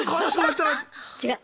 違う。